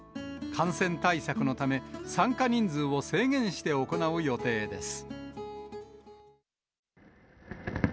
感染対策のため、参加人数を制限して行う予定です。